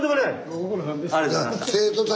ご苦労さんでした。